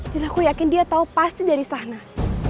dan aku yakin dia tahu pasti dari sahnas